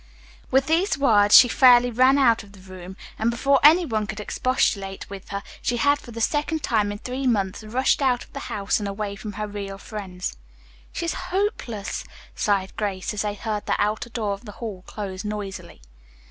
With these words she fairly ran out of the room, and before any one could expostulate with her, she had for the second time in three months rushed out of the house and away from her real friends. "She is hopeless," sighed Grace, as they heard the outer door of the hall close noisily.